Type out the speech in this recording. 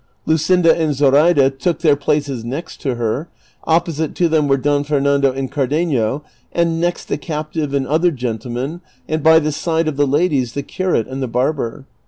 Luscinda and Zoraida took their places next her, opposite to them were Don Fernando and Cardenio, and next the captive and the other gentlemen, and by the side of the ladies, the curate and the barber.